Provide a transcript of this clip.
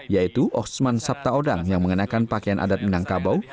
yaitu oksman sabtaodang yang mengenakan pakaian adat menangkabau